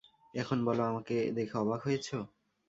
এখন বল, আমাকে দেখে অবাক হয়েছ?